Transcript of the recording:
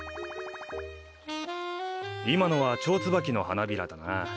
今のはチョウツバキの花びらだな。